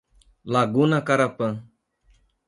Laguna Carapã